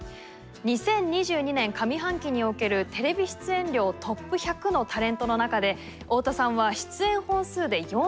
２０２２年上半期におけるテレビ出演量ＴＯＰ１００のタレントの中で太田さんは出演本数で４６位。